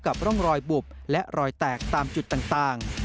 ร่องรอยบุบและรอยแตกตามจุดต่าง